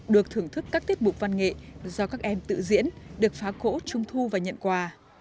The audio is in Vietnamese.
được thưởng thức các tiết mục văn nghệ do các em tự diễn được phá cỗ trung thu và nhận quà